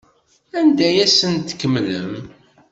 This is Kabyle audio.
Anda ay asen-tkemmlem?